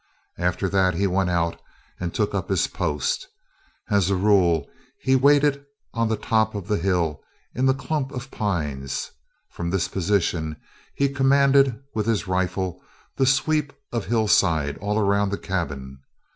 After that he went out and took up his post. As a rule he waited on the top of the hill in the clump of pines. From this position he commanded with his rifle the sweep of hillside all around the cabin.